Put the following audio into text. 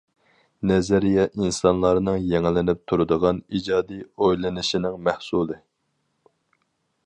نەزەرىيە ئىنسانلارنىڭ يېڭىلىنىپ تۇرىدىغان ئىجادىي ئويلىنىشىنىڭ مەھسۇلى.